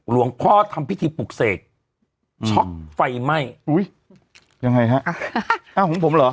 หลวงพ่อทำพิธีปลุกเสกช็อกไฟไหม้อุ้ยยังไงฮะอ้าวของผมเหรอ